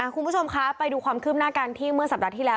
คุณผู้ชมคะไปดูความคืบหน้าการที่เมื่อสัปดาห์ที่แล้ว